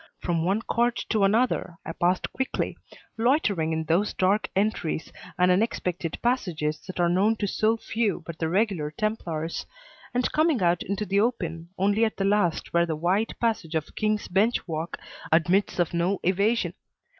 From one court to another I passed quickly, loitering in those dark entries and unexpected passages that are known to so few but the regular Templars, and coming out into the open only at the last where the wide passage of King's Bench Walk admits of no evasion.